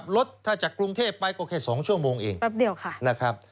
รถถ้าจากกรุงเทพไปก็แค่๒ชั่วโมงเองแป๊บเดียวค่ะนะครับ